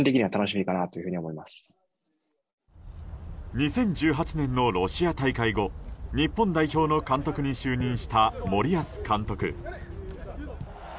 ２０１８年のロシア大会後日本代表の監督に就任した森保監督。